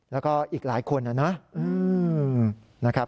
แล้วก็อีกหลายคนนะครับ